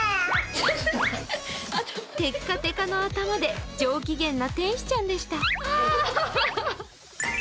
てっかてかの頭で上機嫌な天使ちゃんでした。